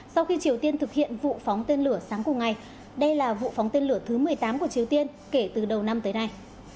sau khi triều tiên thực hiện vụ phóng tên lửa sáng cùng ngày đây là vụ phóng tên lửa thứ một mươi tám của triều tiên kể từ đầu năm tới nay